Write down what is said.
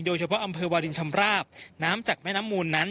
โดยเฉพาะอำเภอวาลินชำราบน้ำจากแม่น้ำมูลนั้น